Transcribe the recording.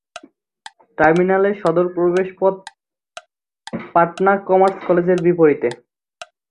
টার্মিনালের সদর প্রবেশপথ পাটনা কমার্স কলেজের বিপরীতে।